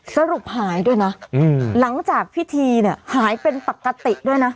สรุปหายด้วยนะหลังจากพิธีเนี่ยหายเป็นปกติด้วยนะ